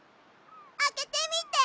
あけてみて！